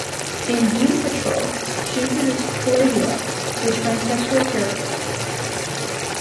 In "Doom Patrol" she introduced Coagula, a transsexual character.